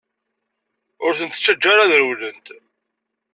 Ur tent-ttaǧǧa ara ad rewlent!